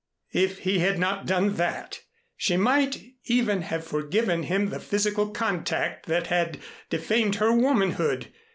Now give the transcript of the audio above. If he had not done that, she might even have forgiven him the physical contact that had defamed her womanhood.